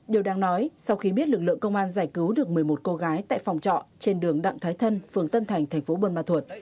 điều đáng nói sau khi biết lực lượng công an giải cứu được một mươi một cô gái tại phòng trọ trên đường đặng thái thân phường tân thành thành phố buôn ma thuột